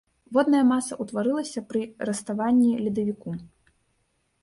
Водная маса ўтварылася пры раставанні ледавіку.